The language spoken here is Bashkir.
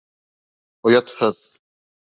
Оятһыҙ!